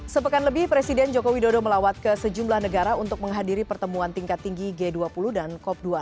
sepekan lebih presiden joko widodo melawat ke sejumlah negara untuk menghadiri pertemuan tingkat tinggi g dua puluh dan cop dua